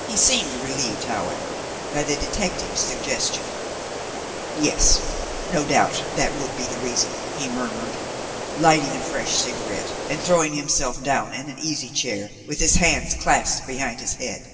He seemed relieved, however, by the detective's suggestion. "Yes, no doubt, that would be the reason," he murmured, lighting a fresh cigarette, and throwing himself down in an easy chair, with his hands clasped behind his head.